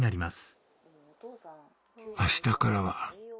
「明日からは」